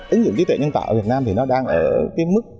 ứng dụng trí tuệ nhân tạo ở việt nam thì nó đang ở cái mức